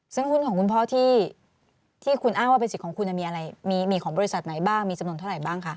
ซึ่งหุ้นของคุณพ่อที่คุณอ้างว่าเป็นสิทธิ์ของคุณมีอะไรมีของบริษัทไหนบ้างมีจำนวนเท่าไหร่บ้างคะ